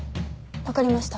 分かりました。